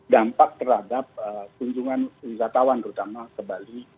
dampak terhadap kunjungan wisatawan terutama ke bali